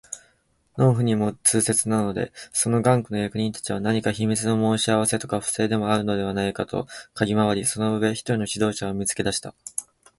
農夫にも痛切なので、その頑固な役人たちは何か秘密の申し合せとか不正とかでもあるのではないかとかぎ廻り、その上、一人の指導者を見つけ出した